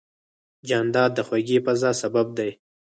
جانداد د خوږې فضا سبب دی.